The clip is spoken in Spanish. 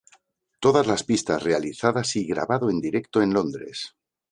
Todas las pistas realizadas y grabado en directo en Londres.